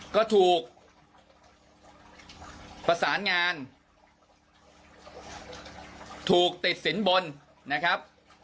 ก็ถูกประสานงานถูกติดสินบนนะครับ